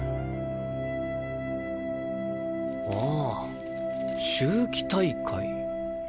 ああ秋季大会ね。